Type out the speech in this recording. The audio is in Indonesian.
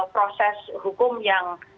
proses hukum yang